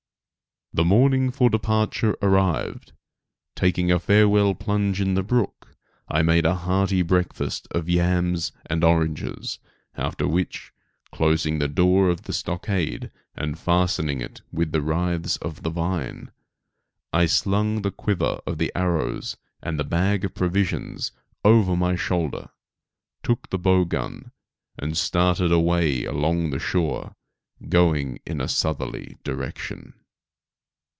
The morning for departure arrived. Taking a farewell plunge in the brook, I made a hearty breakfast of yams and oranges, after which, closing the door of the stockade and fastening it with withes of the vine, I slung the quiver of arrows and the bag of provisions over my shoulder, took the bow gun and started away along the shore, going in a southerly direction.